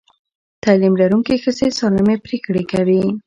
تعلیم لرونکې ښځې سالمې پرېکړې کوي.